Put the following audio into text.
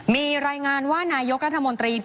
ไม่ได้เป็นประธานคณะกรุงตรี